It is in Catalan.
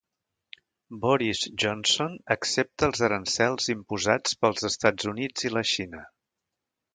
Boris Johnson accepta els aranzels imposats pels Estats Units i la Xina